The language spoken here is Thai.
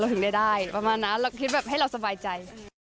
ถึงได้ประมาณนั้นเราคิดแบบให้เราสบายใจ